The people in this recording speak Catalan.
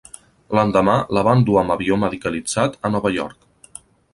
L'endemà la van dur amb avió medicalitzat a Nova York.